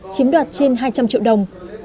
chiếm đoạt trên hai trăm linh triệu đồng